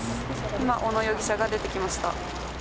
今、小野容疑者が出てきました。